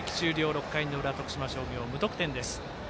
６回の裏、徳島商業無得点です。